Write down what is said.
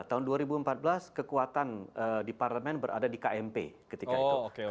tahun dua ribu empat belas kekuatan di parlemen berada di kmp ketika itu